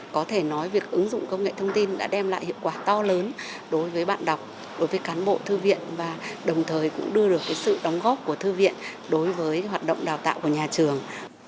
có thể nói việc ứng dụng công nghệ thông tin đã đem lại hiệu quả to lớn đối với bạn đọc đối với cán bộ thư viện và đồng thời cũng đưa được sự đóng góp của thư viện đối với hoạt động đào tạo của nhà trường